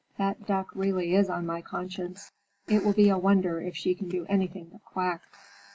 That duck really is on my conscience. It will be a wonder if she can do anything but quack!